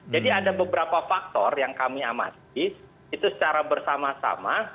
jadi ada beberapa faktor yang kami amati itu secara bersama sama